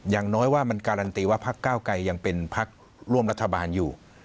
อย่างน้อยว่ามันการันตีว่าพักเก้าไกรยังเป็นพักร่วมรัฐบาลอยู่